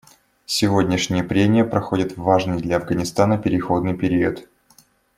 Сегодняшние прения проходят в важный для Афганистана переходный период.